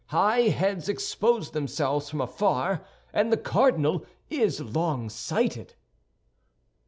High heads expose themselves from afar, and the cardinal is longsighted."